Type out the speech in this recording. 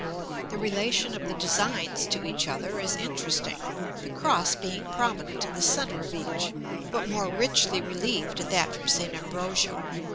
The relation of the designs to each other is interesting; the cross being prominent in the centre of each, but more richly relieved in that from St. Ambrogio.